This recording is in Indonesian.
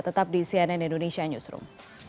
tetap di cnn indonesia newsroom